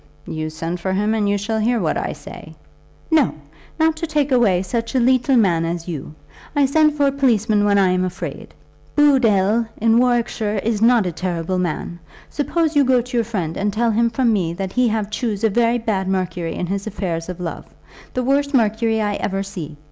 "You send for him and you shall hear what I say." "No; not to take away such a leetle man as you. I send for a policeman when I am afraid. Booddle in Warwickshire is not a terrible man. Suppose you go to your friend and tell him from me that he have chose a very bad Mercury in his affairs of love; the worst Mercury I ever see.